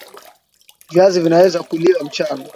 Viazi vinaweza kuliwa mchana